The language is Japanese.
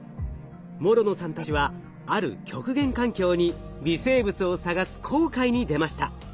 諸野さんたちはある極限環境に微生物を探す航海に出ました。